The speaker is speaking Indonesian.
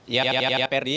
ya ya ya perdi